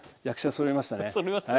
そろいましたね。